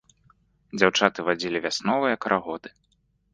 Дзяўчаты вадзілі вясновыя карагоды.